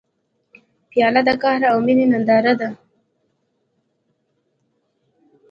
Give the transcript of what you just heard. پیاله د قهر او مینې ننداره ده.